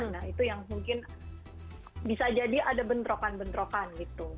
nah itu yang mungkin bisa jadi ada bentrokan bentrokan gitu